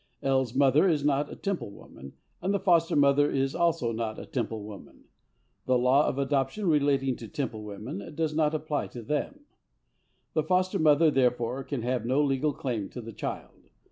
L.'s mother is not a Temple woman, and the foster mother also is not a Temple woman. The law of adoption relating to Temple women does not apply to them. The foster mother, therefore, can have no legal claim to the child.